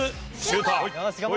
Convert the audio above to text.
シュート！